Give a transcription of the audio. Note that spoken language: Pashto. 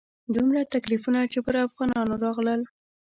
دومره تکلیفونه چې پر افغانانو راغلل.